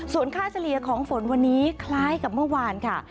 ส่วนค่าเฉลี่ยของฝนวันนี้คล้ายกับเมื่อวานค่ะ